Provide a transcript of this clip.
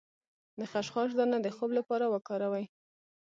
د خشخاش دانه د خوب لپاره وکاروئ